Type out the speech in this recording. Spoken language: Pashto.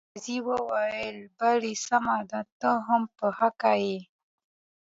قاضي وویل بلې سمه ده ته هم په حقه یې.